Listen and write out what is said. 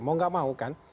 mau gak mau kan